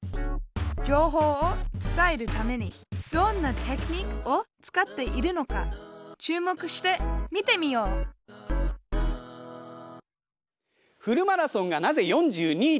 情報を伝えるためにどんなテクニックを使っているのか注目して見てみようフルマラソンがなぜ４２．１９５